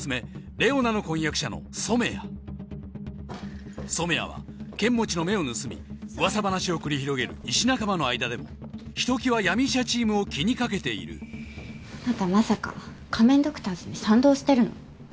玲於奈の婚約者の染谷染谷は剣持の目を盗み噂話を繰り広げる医師仲間の間でもひときわ闇医者チームを気にかけているあなたまさか仮面ドクターズに賛同してるの？